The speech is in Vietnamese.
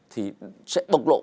thì sẽ bộc lộ